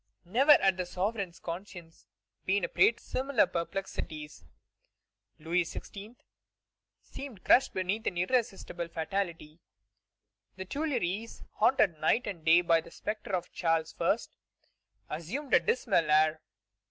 Never had a sovereign's conscience been a prey to similar perplexities. Louis XVI. seemed crushed beneath an irresistible fatality. The Tuileries, haunted night and day by the spectre of Charles I., assumed a dismal air.